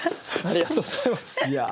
ありがとうございます。